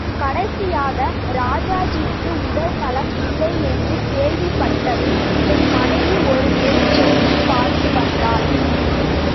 கடைசியாக ராஜாஜிக்கு உடல் நலம் இல்லை என்று கேள்விப்பட்டதும் என் மனைவி ஒருமுறை சென்று பார்த்து வந்தாள்.